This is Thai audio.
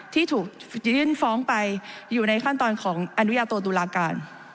ที่ถูกยื่นฟ้องไปอยู่ในขั้นตอนของอนุญาโตตุลาการ